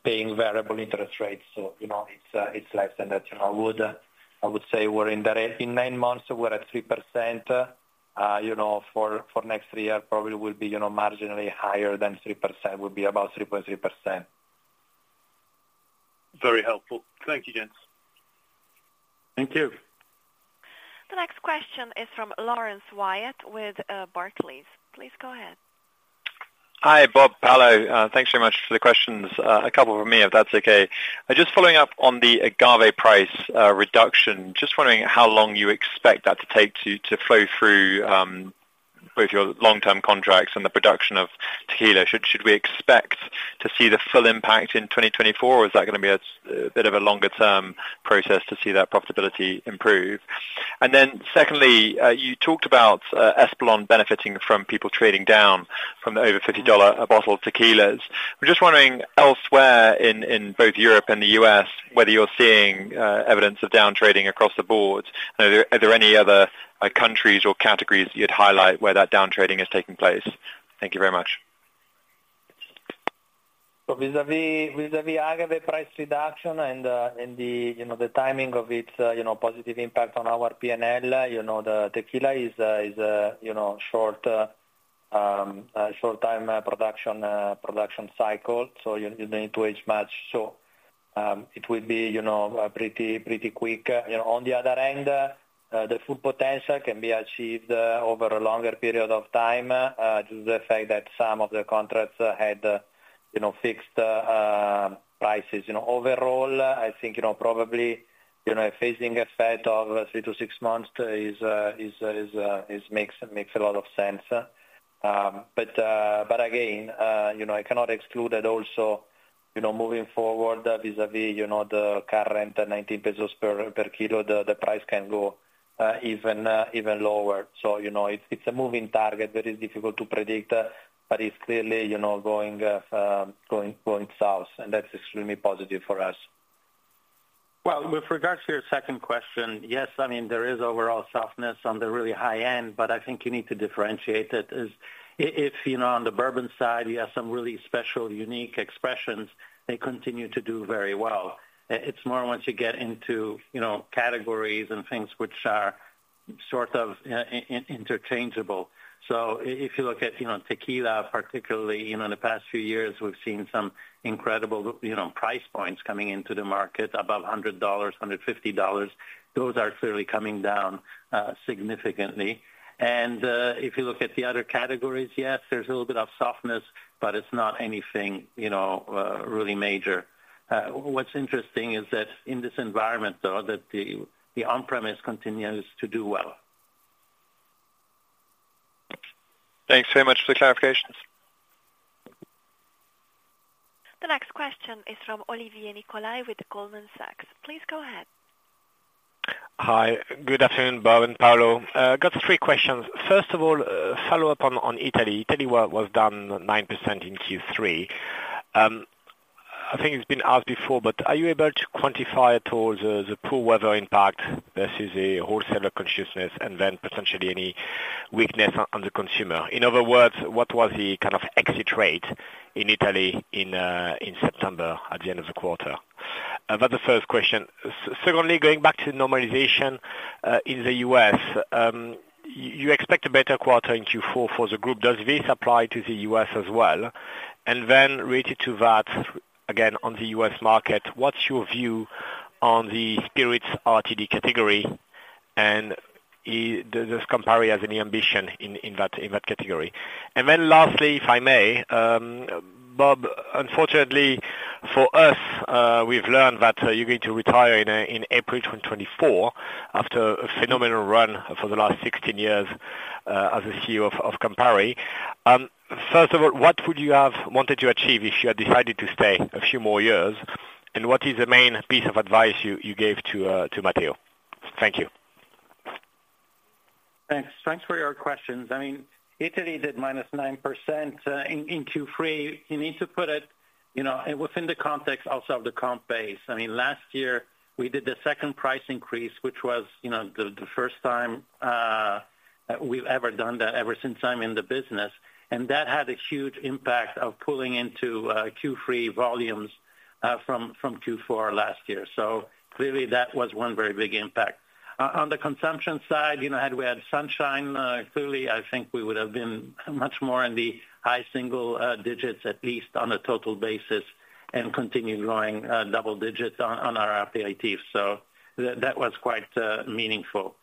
paying variable interest rates, so you know, it's less than that. I would say we're in the nine months, we're at 3%, you know, for next three years, probably will be, you know, marginally higher than 3%, will be about 3.3%. Very helpful. Thank you, gents. Thank you. The next question is from Laurence Wyatt with Barclays. Please go ahead. Hi, Bob, Paolo, thanks so much for the questions. A couple from me, if that's okay. Just following up on the agave price reduction, just wondering how long you expect that to take to flow through both your long-term contracts and the production of tequila. Should we expect to see the full impact in 2024, or is that gonna be a bit of a longer term process to see that profitability improve? And then secondly, you talked about Espolòn benefiting from people trading down from the over $50 a bottle of tequilas. I'm just wondering elsewhere in both Europe and the U.S., whether you're seeing evidence of down trading across the board? Are there any other countries or categories you'd highlight where that down trading is taking place? Thank you very much. So vis-à-vis vis-à-vis agave price reduction and the, you know, the timing of its, you know, positive impact on our P&L, you know, the tequila is, you know, short time production cycle, so you need to hedge much. So it will be, you know, pretty quick. You know, on the other end, the full potential can be achieved over a longer period of time due to the fact that some of the contracts had, you know, fixed prices. You know, overall, I think, you know, probably, you know, a phasing effect of three to six months is makes a lot of sense. But again, you know, I cannot exclude that also, you know, moving forward, vis-à-vis, you know, the current 90 pesos /kg, the price can go even lower. So, you know, it's a moving target that is difficult to predict, but it's clearly, you know, going south, and that's extremely positive for us. Well, with regards to your second question, yes, I mean, there is overall softness on the really high end, but I think you need to differentiate it. As if, you know, on the bourbon side, you have some really special, unique expressions, they continue to do very well. It's more once you get into, you know, categories and things which are sort of, interchangeable. So if you look at, you know, tequila, particularly, you know, in the past few years, we've seen some incredible, you know, price points coming into the market above $100, $150. Those are clearly coming down, significantly. And, if you look at the other categories, yes, there's a little bit of softness, but it's not anything, you know, really major. What's interesting is that in this environment, though, the on-premise continues to do well. Thanks very much for the clarifications. The next question is from Olivier Nicolai with Goldman Sachs. Please go ahead. Hi. Good afternoon, Bob and Paolo. Got three questions. First of all, follow up on Italy. Italy was down 9% in Q3. I think it's been asked before, but are you able to quantify at all the poor weather impact versus the wholesaler consciousness, and then potentially any weakness on the consumer? In other words, what was the kind of exit rate in Italy in September at the end of the quarter? That's the first question. Secondly, going back to normalization in the U.S., you expect a better quarter in Q4 for the group. Does this apply to the U.S. as well? And then related to that, again, on the U.S. market, what's your view on the spirits RTD category, and does Campari have any ambition in that category? And then lastly, if I may, Bob, unfortunately for us, we've learned that you're going to retire in April 2024, after a phenomenal run for the last 16 years, as the CEO of Campari. First of all, what would you have wanted to achieve if you had decided to stay a few more years? And what is the main piece of advice you gave to Matteo? Thank you. Thanks. Thanks for your questions. I mean, Italy did -9% in Q3. You need to put it, you know, within the context also of the comp base. I mean, last year, we did the second price increase, which was, you know, the first time we've ever done that, ever since I'm in the business, and that had a huge impact of pulling into Q3 volumes from Q4 last year. So clearly, that was one very big impact. On the consumption side, you know, had we had sunshine, clearly, I think we would have been much more in the high single digits, at least on a total basis, and continued growing double digits on our APIT. So that was quite meaningful.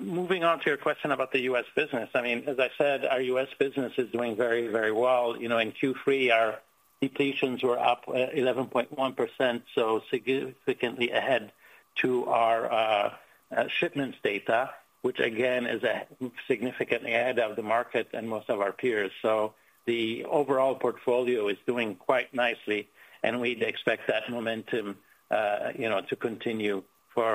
Moving on to your question about the U.S. business, I mean, as I said, our U.S. business is doing very, very well. You know, in Q3, our depletions were up 11.1%, so significantly ahead to our shipments data, which again is significantly ahead of the market and most of our peers. So the overall portfolio is doing quite nicely, and we'd expect that momentum, you know, to continue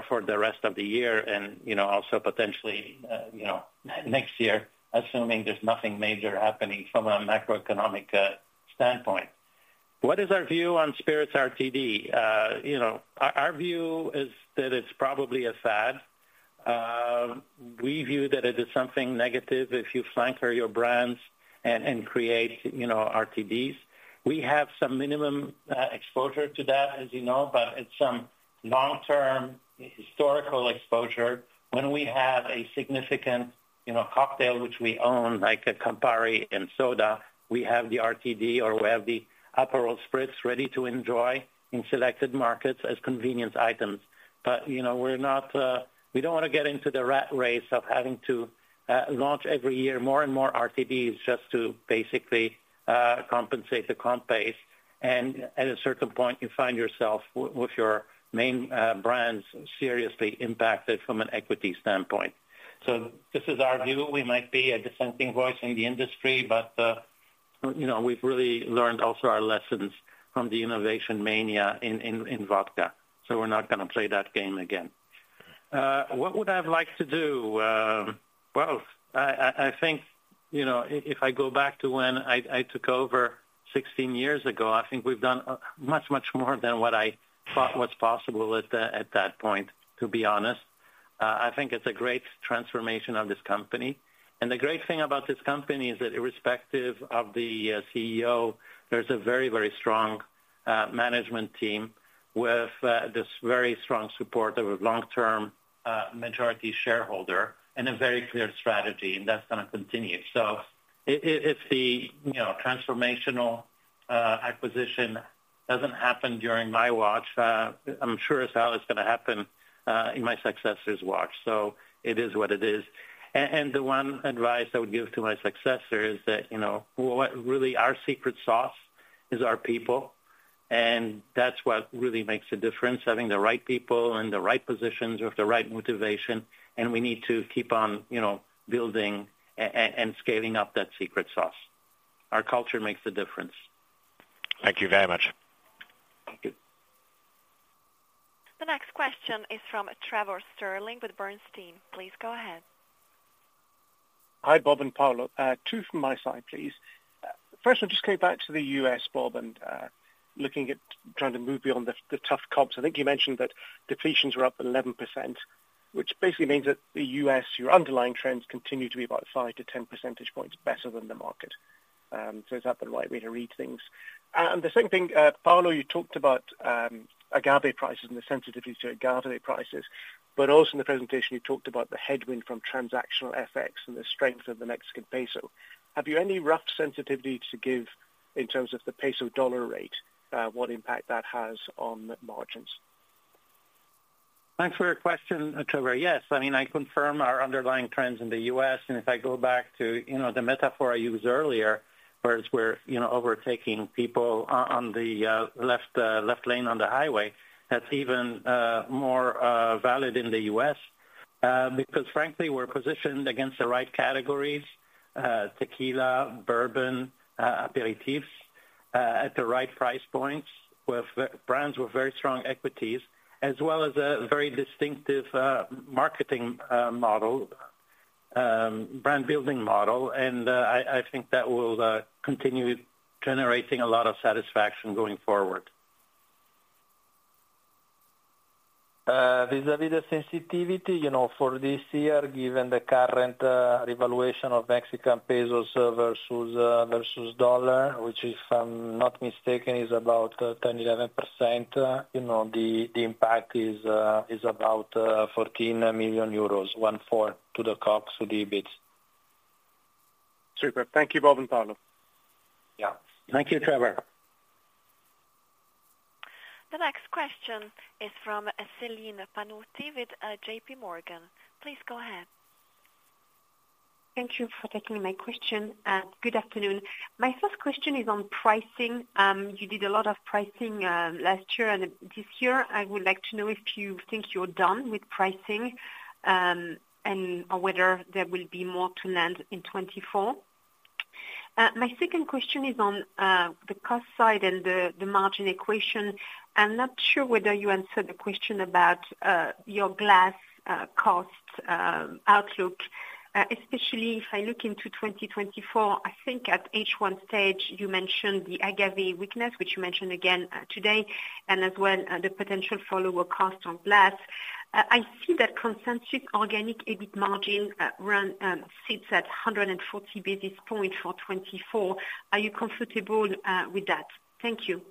for the rest of the year and, you know, also potentially, you know, next year, assuming there's nothing major happening from a macroeconomic standpoint. What is our view on spirits RTD? You know, our view is that it's probably a fad. We view that it is something negative if you flanker your brands and create, you know, RTDs. We have some minimum exposure to that, as you know, but it's some long-term, historical exposure. When we have a significant, you know, cocktail which we own, like a Campari and soda, we have the RTD, or we have the Aperol Spritz Ready to Enjoy in selected markets as convenience items. But, you know, we're not. We don't wanna get into the rat race of having to launch every year more and more RTDs just to basically compensate the comp base, and at a certain point, you find yourself with your main brands seriously impacted from an equity standpoint. So this is our view. We might be a dissenting voice in the industry, but, you know, we've really learned also our lessons from the innovation mania in vodka, so we're not gonna play that game again. What would I have liked to do? Well, I think, you know, if I go back to when I took over 16 years ago, I think we've done much, much more than what I thought was possible at that point, to be honest. I think it's a great transformation of this company, and the great thing about this company is that irrespective of the CEO, there's a very, very strong management team with this very strong support of a long-term majority shareholder and a very clear strategy, and that's gonna continue. So if the, you know, transformational acquisition doesn't happen during my watch, I'm sure as hell it's gonna happen in my successor's watch, so it is what it is. The one advice I would give to my successor is that, you know, what really our secret sauce is our people, and that's what really makes a difference, having the right people in the right positions with the right motivation, and we need to keep on, you know, building and scaling up that secret sauce. Our culture makes a difference. Thank you very much. Thank you. The next question is from Trevor Stirling with Bernstein. Please go ahead. Hi, Bob and Paolo. Two from my side, please. First, I'll just go back to the U.S., Bob, and looking at trying to move beyond the tough comps. I think you mentioned that depletions were up 11%, which basically means that the U.S., your underlying trends continue to be about 5-10 percentage points better than the market. So is that the right way to read things? And the second thing, Paolo, you talked about agave prices and the sensitivity to agave prices, but also in the presentation, you talked about the headwind from transactional FX and the strength of the Mexican peso. Have you any rough sensitivity to give in terms of the peso dollar rate, what impact that has on margins? Thanks for your question, Trevor. Yes, I mean, I confirm our underlying trends in the U.S., and if I go back to, you know, the metaphor I used earlier, whereas we're, you know, overtaking people on the left lane on the highway, that's even more valid in the U.S. Because frankly, we're positioned against the right categories, tequila, bourbon, aperitifs, at the right price points, with brands with very strong equities, as well as a very distinctive marketing model, brand building model. And I think that will continue generating a lot of satisfaction going forward. Vis-à-vis the sensitivity, you know, for this year, given the current revaluation of Mexican pesos versus dollar, which if I'm not mistaken, is about 10-11%, you know, the impact is about 14 million euros, 14 to the COGS, to the EBIT. Superb. Thank you, Bob and Paolo. Yeah. Thank you, Trevor. The next question is from Celine Pannuti with J.P. Morgan. Please go ahead. Thank you for taking my question, and good afternoon. My first question is on pricing. You did a lot of pricing last year, and this year, I would like to know if you think you're done with pricing, and/or whether there will be more to land in 2024. My second question is on the cost side and the margin equation. I'm not sure whether you answered the question about your glass cost outlook, especially if I look into 2024. I think at H1 stage, you mentioned the agave weakness, which you mentioned again today, and as well the potential follower cost on glass. I see that consensus organic EBIT margin run sits at 140 basis points for 2024. Are you comfortable with that? Thank you.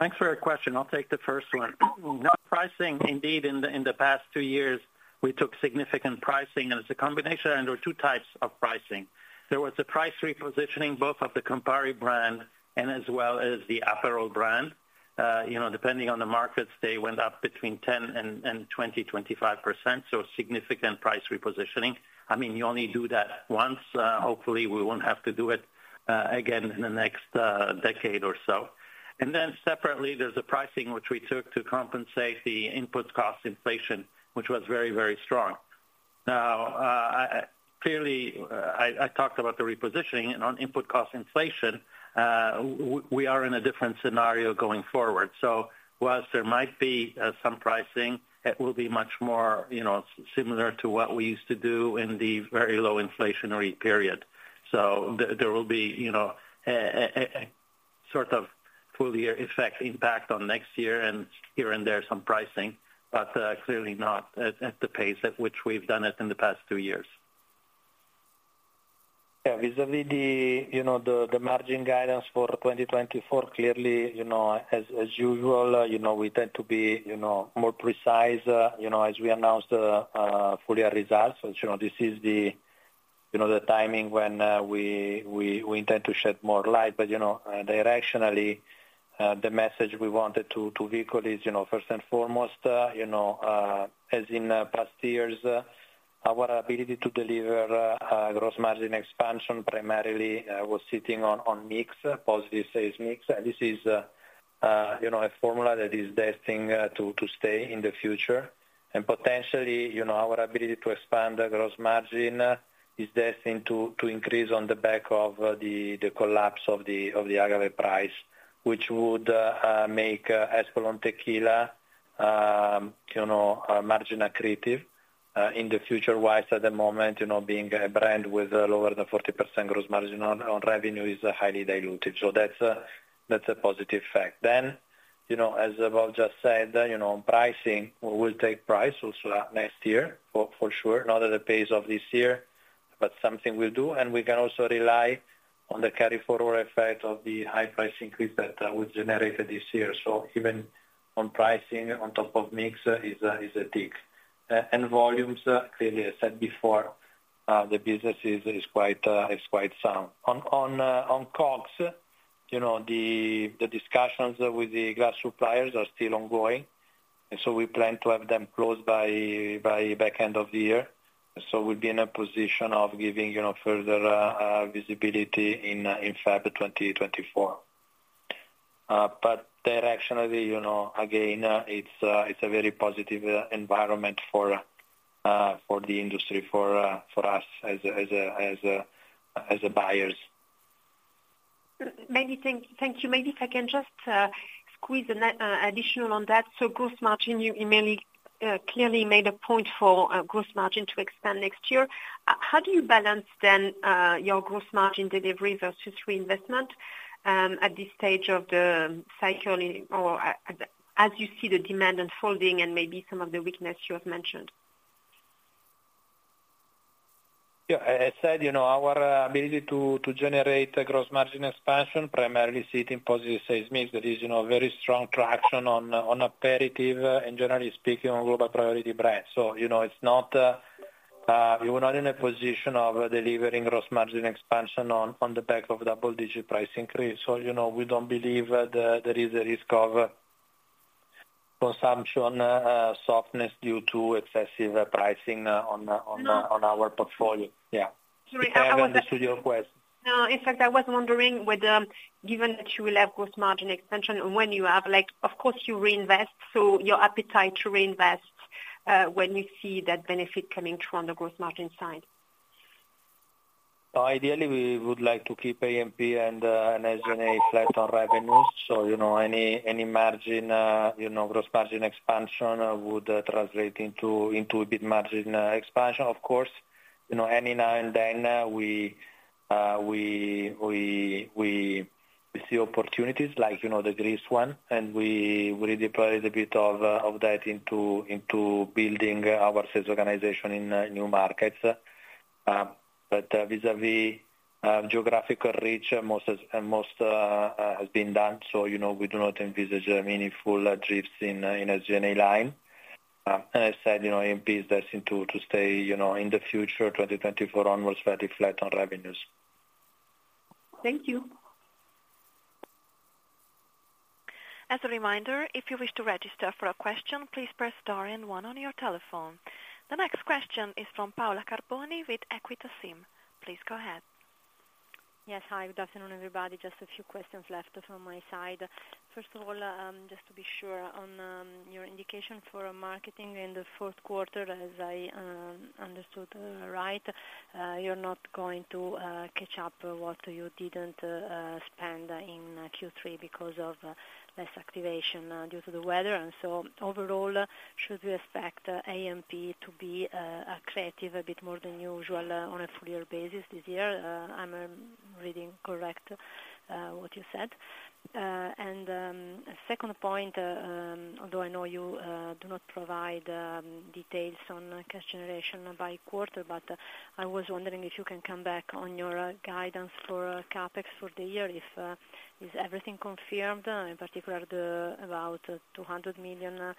Thanks for your question. I'll take the first one. Now, pricing, indeed, in the past two years, we took significant pricing, and it's a combination, and there were two types of pricing. There was the price repositioning, both of the Campari brand and as well as the Aperol brand. You know, depending on the markets, they went up between 10 and 25%, so significant price repositioning. I mean, you only do that once. Hopefully, we won't have to do it again in the next decade or so. And then separately, there's a pricing which we took to compensate the input cost inflation, which was very, very strong. Now, I clearly talked about the repositioning and on input cost inflation, we are in a different scenario going forward. So while there might be some pricing, it will be much more, you know, similar to what we used to do in the very low inflationary period. So there will be, you know, a sort of full year effect impact on next year and here and there, some pricing, but clearly not at the pace at which we've done it in the past two years. Yeah, vis-à-vis the margin guidance for 2024, clearly, you know, as usual, you know, we tend to be, you know, more precise, you know, as we announce the full year results. Which, you know, this is the timing when we intend to shed more light. But, you know, directionally, the message we wanted to vehicle is, you know, first and foremost, you know, as in the past years, our ability to deliver gross margin expansion, primarily, was sitting on mix, positive sales mix. This is, you know, a formula that is destined to stay in the future. And potentially, you know, our ability to expand the gross margin is destined to increase on the back of the collapse of the agave price, which would make Espolòn Tequila, you know, margin accretive in the future, while at the moment, you know, being a brand with lower than 40% gross margin on revenue is highly diluted. So that's a positive fact. Then, you know, as Bob just said, you know, pricing, we will take price also next year, for sure, not at the pace of this year, but something we'll do, and we can also rely on the carry forward effect of the high price increase that was generated this year. So even on pricing, on top of mix, is a tick. And volumes, clearly, I said before, the business is quite sound. On COGS, you know, the discussions with the glass suppliers are still ongoing, and so we plan to have them closed by back end of the year. So we'll be in a position of giving, you know, further visibility in February 2024. But directionally, you know, again, it's a very positive environment for the industry, for us as buyers. Thank you. Maybe if I can just squeeze an additional on that. So gross margin, you immediately clearly made a point for gross margin to expand next year. How do you balance then your gross margin delivery versus reinvestment at this stage of the cycle or as you see the demand unfolding and maybe some of the weakness you have mentioned? Yeah, as said, you know, our ability to generate a gross margin expansion, primarily from positive sales mix. That is, you know, very strong traction on aperitifs and generally speaking, on global priority brands. So, you know, it's not. We're not in a position of delivering gross margin expansion on the back of double-digit price increase. So, you know, we don't believe that there is a risk of consumption softness due to excessive pricing on our portfolio. Yeah. Sorry, I was. To your question. No, in fact, I was wondering whether, given that you will have gross margin expansion and when you have like, of course you reinvest, so your appetite to reinvest, when you see that benefit coming through on the gross margin side? Ideally, we would like to keep A&P and SG&A flat on revenues. So, you know, any margin, you know, gross margin expansion would translate into a EBIT margin expansion. Of course, you know, any now and then we see opportunities like, you know, the Greece one, and we redeployed a bit of that into building our sales organization in new markets. But vis-à-vis geographical reach, most is and most has been done. So, you know, we do not envisage a meaningful drift in a G&A line. And I said, you know, A&P is there to stay, you know, in the future, 2024 onwards, very flat on revenues. Thank you. As a reminder, if you wish to register for a question, please press star and one on your telephone. The next question is from Paola Carboni with Equita SIM. Please go ahead. Yes. Hi, good afternoon, everybody. Just a few questions left from my side. First of all, just to be sure, on your indication for marketing in the fourth quarter, as I understood, right, you're not going to catch up what you didn't spend in Q3 because of less activation due to the weather. And so overall, should we expect A&P to be accretive a bit more than usual on a full year basis this year? I'm reading correct what you said. And a second point, although I know you do not provide details on cash generation by quarter, but I was wondering if you can come back on your guidance for CapEx for the year. Is everything confirmed, in particular about 200 million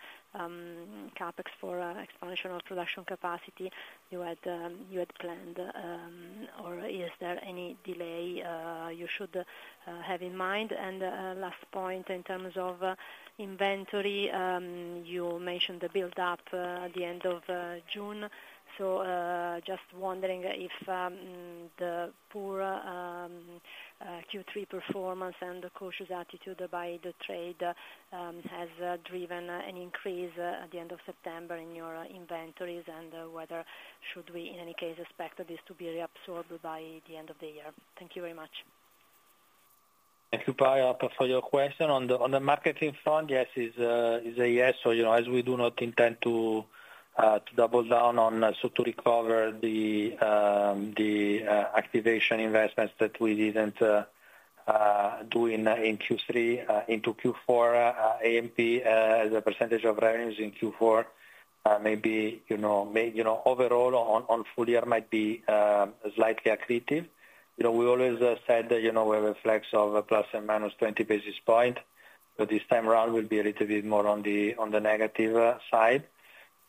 CapEx for expansion or production capacity you had planned? Or is there any delay you should have in mind? And last point, in terms of inventory, you mentioned the build up at the end of June. So just wondering if the poor Q3 performance and the cautious attitude by the trade has driven an increase at the end of September in your inventories, and whether we should in any case expect this to be reabsorbed by the end of the year? Thank you very much. Thank you, Paola, for your question. On the marketing front, yes, it's a yes. So, you know, as we do not intend to double down on, so to recover the activation investments that we didn't do in Q3 into Q4, A&P as a percentage of revenues in Q4 may be, you know, overall on full year might be slightly accretive. You know, we always said that, you know, we have a flex of ±20 basis points, but this time around will be a little bit more on the negative side.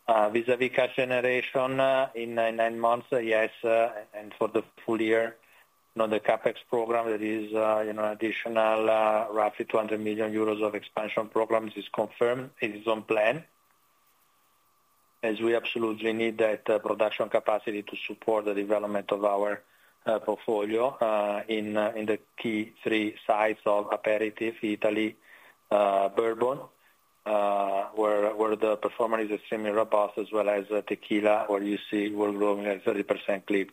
Vis-à-vis cash generation, in nine months, yes, and for the full year, you know, the CapEx program, that is, you know, additional, roughly 200 million euros of expansion programs is confirmed. It is on plan, as we absolutely need that production capacity to support the development of our, portfolio, in the key three sites of aperitif, Italy, bourbon, where the performance is extremely robust, as well as tequila, where you see we're growing at 30% clip.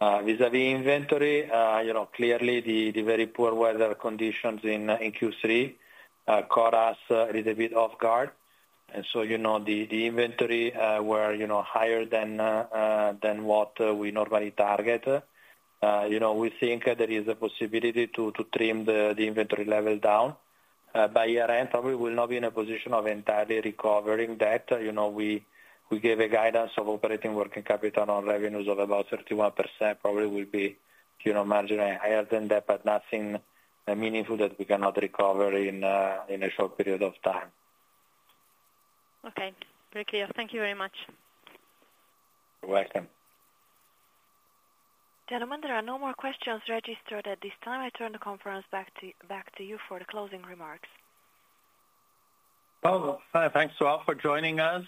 Vis-à-vis inventory, you know, clearly the very poor weather conditions in Q3 caught us a little bit off guard. And so, you know, the inventory were higher than what we normally target. You know, we think there is a possibility to, to trim the, the inventory level down by year-end, probably we will not be in a position of entirely recovering that. You know, we, we gave a guidance of operating working capital on revenues of about 31%. Probably will be, you know, marginally higher than that, but nothing meaningful that we cannot recover in, in a short period of time. Okay. Very clear. Thank you very much. You're welcome. Gentlemen, there are no more questions registered at this time. I turn the conference back to, back to you for the closing remarks. Oh, thanks to all for joining us.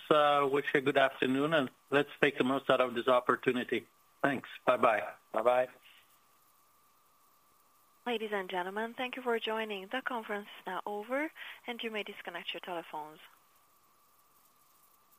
Wish you a good afternoon, and let's make the most out of this opportunity. Thanks. Bye-bye. Bye-bye. Ladies and gentlemen, thank you for joining. The conference is now over, and you may disconnect your telephones.